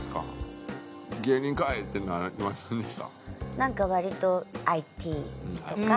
なんか割とＩＴとか。